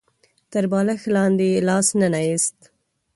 تر بالښت لاندې يې لاس ننه ايست.